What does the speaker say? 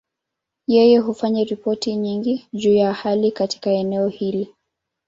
Yeye hufanya ripoti nyingi juu ya hali katika eneo hili.